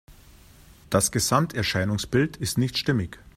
Das Gesamterscheinungsbild ist nicht stimmig.